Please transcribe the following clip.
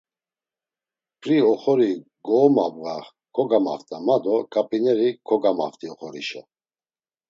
P̌ri oxori goomabğa kogamaft̆a ma do ǩap̌ineri kogamaft̆i oxorişa.